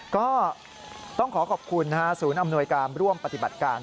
ก็ต้องขอขอบคุณศูนย์อำนวยการร่วมปฏิบัติการ